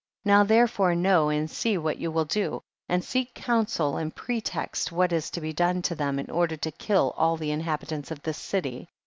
36. Now therefore know and see what you will do, and seek counsel and pretext what is to be done to them, in order to kill all the inhabi tants of this city.